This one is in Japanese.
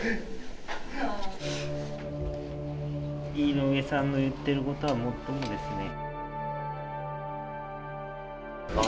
井上さんの言ってることはもっともですね。